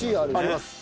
あります。